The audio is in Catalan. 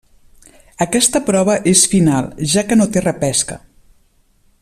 Aquesta prova és final, ja que no té repesca.